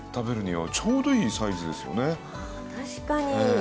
確かに。